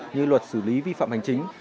như luật xử lý vi phạm hành chính